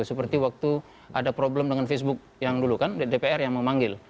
seperti waktu ada problem dengan facebook yang dulu kan dpr yang memanggil